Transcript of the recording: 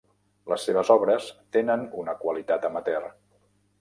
Les seves obres tenen una qualitat amateur.